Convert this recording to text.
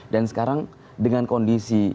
dan sekarang dengan kondisi